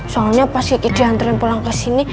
soalnya pas gigi diantarin pulang kesini